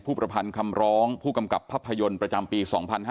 ประพันธ์คำร้องผู้กำกับภาพยนตร์ประจำปี๒๕๕๙